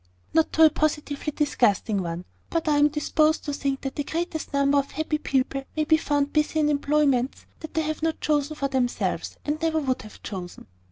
"Not to a positively disgusting one. But I am disposed to think that the greatest number of happy people may be found busy in employments that they have not chosen for themselves, and never would have chosen."